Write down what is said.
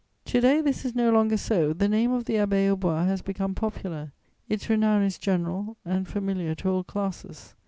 "To day this is no longer so: the name of the Abbaye aux Bois has become popular; its renown is general and familiar to all classes.